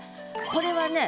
これはね